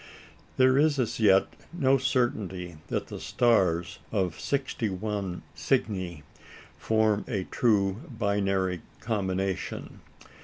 There is as yet no certainty that the stars of 61 Cygni form a true binary combination.